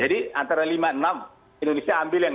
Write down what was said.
jadi antara lima enam indonesia ambil yang lima